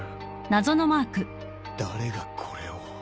誰がこれを。